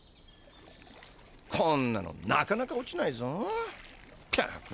こんなのなかなか落ちないぞ全く。